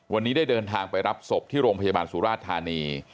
วันนี้ได้เดินทางไปรับศพที่โรงพยาบาลสุราชธานี